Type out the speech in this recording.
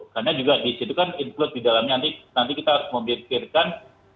karena juga di situ kan include di dalamnya nanti kita harus memikirkan